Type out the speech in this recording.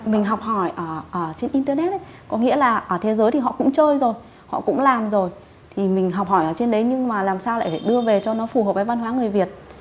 mình học hỏi trên internet ấy có nghĩa là ở thế giới thì họ cũng chơi rồi họ cũng làm rồi thì mình học hỏi ở trên đấy nhưng mà làm sao lại phải đưa về cho nó phù hợp với văn hóa người việt